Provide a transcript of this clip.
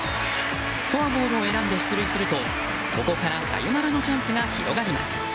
フォアボールを選んで出塁するとここからサヨナラのチャンスが広がります。